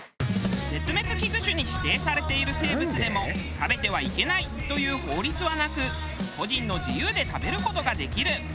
絶滅危惧種に指定されている生物でも食べてはいけないという法律はなく個人の自由で食べる事ができる。